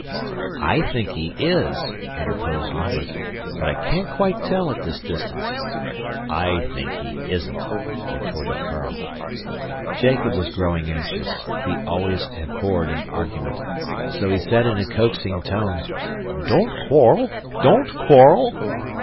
"I think he IS," interposed Lambert, "but I can't quite tell at this distance." "I think he isn't!" retorted Carl. Jacob was growing anxious he always abhorred an argument so he said in a coaxing tone, "Don't quarrel don't quarrel!"